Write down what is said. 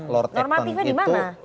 normatifnya di mana